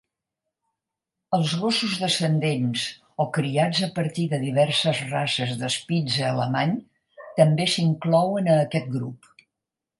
Els gossos descendents o criats a partir de diverses races de Spitze alemany també s'inclouen a aquest grup.